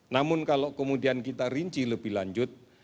namun kalau kemudian kita rinci lebih lanjut